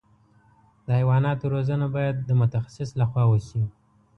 د حیواناتو روزنه باید د متخصص له خوا وشي.